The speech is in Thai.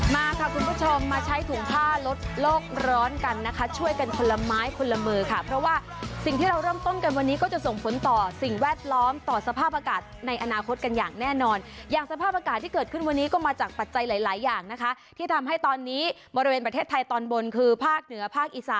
มาค่ะคุณผู้ชมมาใช้ถุงผ้าลดโลกร้อนกันนะคะช่วยกันคนละไม้คนละมือค่ะเพราะว่าสิ่งที่เราเริ่มต้นกันวันนี้ก็จะส่งผลต่อสิ่งแวดล้อมต่อสภาพอากาศในอนาคตกันอย่างแน่นอนอย่างสภาพอากาศที่เกิดขึ้นวันนี้ก็มาจากปัจจัยหลายหลายอย่างนะคะที่ทำให้ตอนนี้บริเวณประเทศไทยตอนบนคือภาคเหนือภาคอีสาน